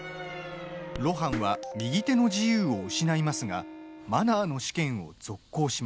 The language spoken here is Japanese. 露伴は、右手の自由を失いますがマナーの試験を続行します。